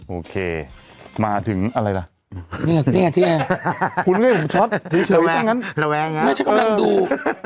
โอเคมาถึงอะไรล่ะนี่ไงนี่ไงนี่ไงคุณเรียกผมช็อตทีเชียร์ทั้งนั้นระแวงนะไม่ใช่กำลังดู